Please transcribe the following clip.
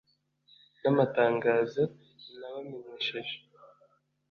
n'amatangazo nabamenyesheje